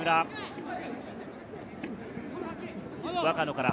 若野から林。